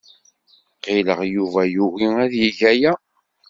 Ɣileɣ Yuba yugi ad yeg aya.